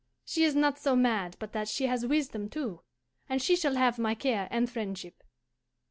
She is not so mad but that she has wisdom too, and she shall have my care and friendship.